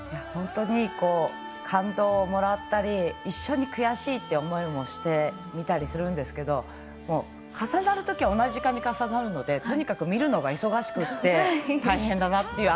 本当に、感動をもらったり一緒に悔しいって思いもしてみたりするんですが重なるときは同じ時間に重なるのでとにかく見るのが忙しくて大変だなって。